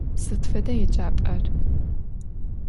Sıd feda yêcap'er?